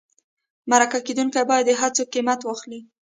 مرکه کېدونکی باید د هڅو قیمت واخلي.